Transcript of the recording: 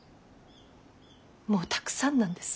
もうたくさんなんです。